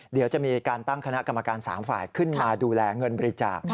เดี๋ยวจะมีการตั้งคณะกรรมการ๓ฝ่ายขึ้นมาดูแลเงินบริจาค